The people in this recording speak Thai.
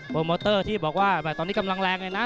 โมเตอร์ที่บอกว่าตอนนี้กำลังแรงเลยนะ